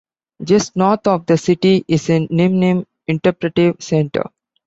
Just north of the city is the Nim-Nim Interpretive Centre.